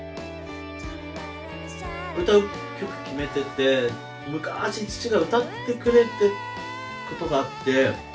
歌う曲決めてて昔父が歌ってくれたことがあって。